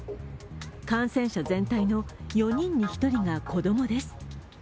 感染者全体の４人に１人が子供です。